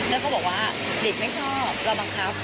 แล้วก็บอกว่าเด็กไม่ชอบเราบังคับ